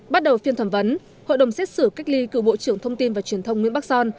bắt đầu phiên thẩm vấn hội đồng xét xử cách ly cựu bộ trưởng thông tin và truyền thông nguyễn bắc son